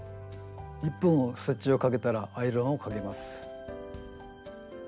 １本ステッチをかけたらアイロンをかけます。